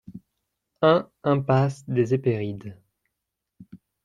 un impasse des Hesperides